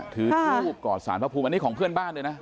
ถือทูบกอดสารพระภูมิอันนี้ของเพื่อนบ้านเลยนะ